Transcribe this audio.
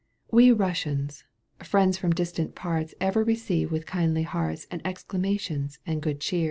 We Eussians, friends from distant parts Ever receive with kindly hearts And exclamations and good cheer.